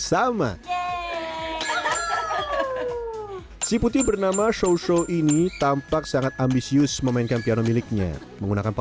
sama si putih bernama show show ini tampak sangat ambisius memainkan piano miliknya menggunakan